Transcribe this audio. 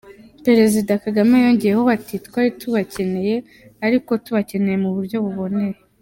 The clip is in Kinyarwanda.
Perezida Kagame yongeyeho ati “Twari tubakeneye, ariko tubakeneye mu buryo buboneye.